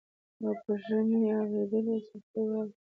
او په ژمي اورېدلې سختي واوري